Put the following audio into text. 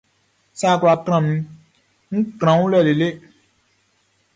Sɛ a kwla tra minʼn, ń trán ɔ wun lɛ lele.